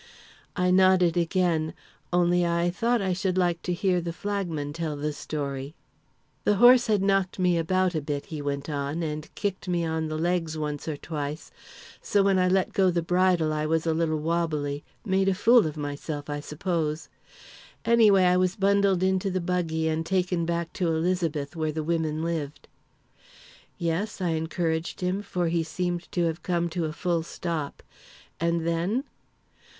I nodded again; only, I thought, I should like to hear the flagman tell the story. "The horse had knocked me about a bit," he went on, "and kicked me on the legs once or twice, so when I let go the bridle I was a little wobbly made a fool of myself, I suppose. Anyway, I was bundled into the buggy and taken back to Elizabeth, where the women lived." "Yes," I encouraged him, for he seemed to have come to a full stop; "and then?"